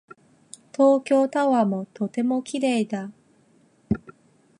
東京タワーはとても綺麗だ。